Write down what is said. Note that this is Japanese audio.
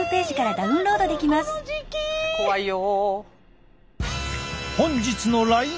怖いよ。